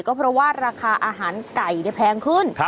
ก็เพราะว่าราคาอาหารไก่แพงขึ้น